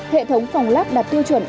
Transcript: hệ thống phòng lắp đạt tiêu chuẩn